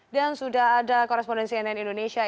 dan sudah ada korespondensi nn indonesia